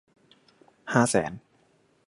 ห้าแสน